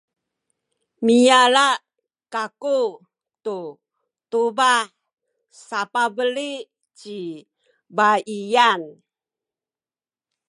miyala kaku tu tubah sapabeli ci baiyan.